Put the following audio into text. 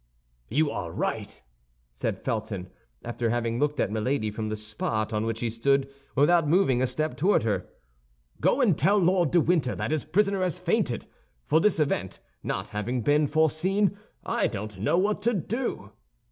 "You are right," said Felton, after having looked at Milady from the spot on which he stood without moving a step toward her. "Go and tell Lord de Winter that his prisoner has fainted—for this event not having been foreseen, I don't know what to do."